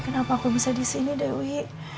kenapa aku bisa disini dewi